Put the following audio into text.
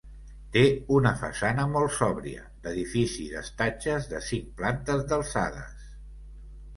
Té una façana molt sòbria d'edifici d'estatges de cinc plantes d'alçades.